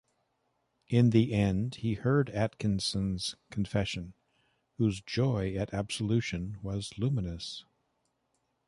In the end he heard Atkinson's confession, whose joy at absolution was luminous.